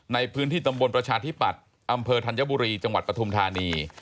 ในพื้นที่ตำบลประชาธิปัตย์อำเภอธัญบุรีจังหวัดปฐุมธานี